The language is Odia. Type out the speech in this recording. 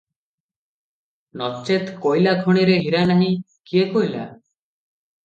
ନଚେତ୍ କୋଇଲା ଖଣିରେ ହୀରା ନାହିଁ କିଏ କହିଲା?